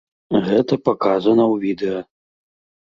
Гэта паказана ў відэа.